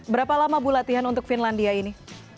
berapa lama bu latihan untuk finlandia ini